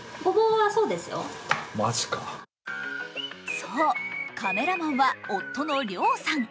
そう、カメラマンは夫の諒さん。